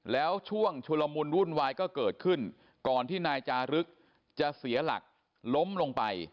แล้วช่วงชุลมุนวุ่นวายก็เกิดขึ้นก่อนที่นายจารึกจะเสียหลักล้มลงไป